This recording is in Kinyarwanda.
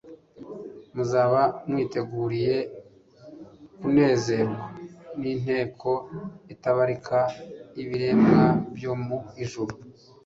Muzaba mwiteguriye kunezeranwa n'inteko itabarika y'ibiremwa byo mu ijuru.